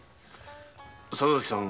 笹崎さん